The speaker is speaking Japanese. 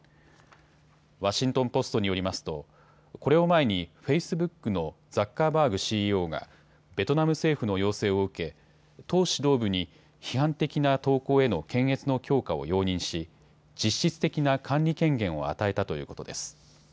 ワシントン・ポストによりますとこれを前にフェイスブックのザッカーバーグＣＥＯがベトナム政府の要請を受け党指導部に批判的な投稿への検閲の強化を容認し実質的な管理権限を与えたということです。